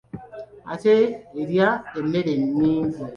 Ate erya emmere nnyingi.